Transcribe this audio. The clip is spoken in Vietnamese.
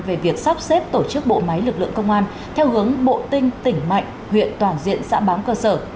về việc sắp xếp tổ chức bộ máy lực lượng công an theo hướng bộ tinh tỉnh mạnh huyện toàn diện xã bám cơ sở